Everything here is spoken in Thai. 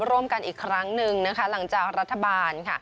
ร่วมกันอีกครั้งหนึ่งหลังจากรัฐบาล